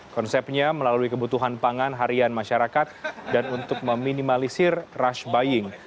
konsepnya melalui kebutuhan pangan harian masyarakat dan untuk meminimalisir rush buying